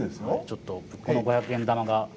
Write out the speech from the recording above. ちょっとこの五百円玉が。